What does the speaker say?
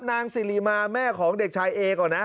นางสิริมาแม่ของเด็กชายเอก่อนนะ